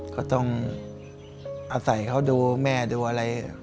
ก็ต้องอาศัยเขาดูแม่ดูอะไร